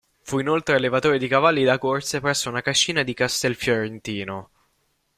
Fu inoltre allevatore di cavalli da corse presso una cascina di Castelfiorentino.